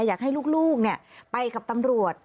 และอยากให้ลูกเนี่ยไปกับตำรวจ